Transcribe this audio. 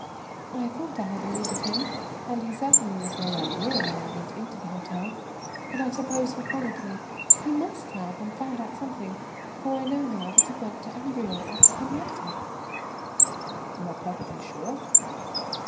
"I thought I had eluded him, and he certainly was nowhere near when I went into the hotel. But I suppose he followed me, he must have, and found out something, for I know now that he went to Amberieu after Henriette " "You are perfectly sure?"